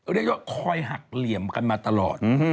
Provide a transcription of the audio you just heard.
เรียกว่าคอยหักเหลี่ยมกันมาตลอด